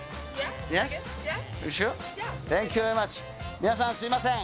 皆さん、すみません。